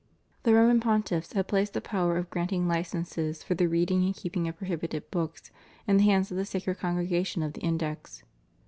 The Roman Pontiffs have placed the power of granting hcenses for the reading and keeping of prohibited books in the hands of the Sacred Congregation of the Index.